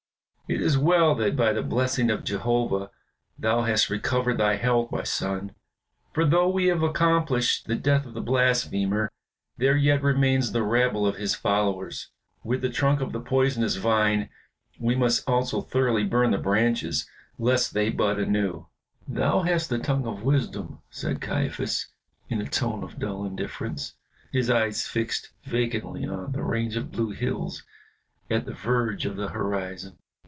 "It is well that by the blessing of Jehovah thou hast recovered thy health, my son, for though we have accomplished the death of the blasphemer, there yet remains the rabble of his followers. With the trunk of the poisonous vine we must also thoroughly burn the branches lest they bud anew." "Thou hast the tongue of wisdom," said Caiaphas in a tone of dull indifference, his eyes fixed vacantly on the range of blue hills at the verge of the horizon.